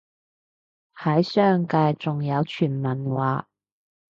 喺商界仲有傳聞話